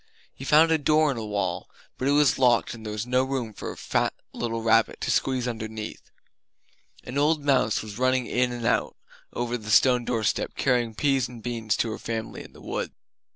He found a door in a wall; but it was locked and there was no room for a fat little rabbit to squeeze underneath. An old mouse was running in and out over the stone doorstep, carrying peas and beans to her family in the wood.